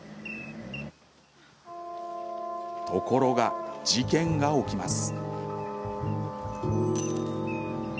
ところが事件が起きます。